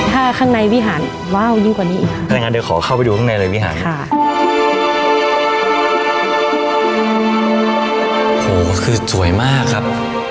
ถ้าข้างในวิหารว้าวยิ่งกว่านี้อีกครับ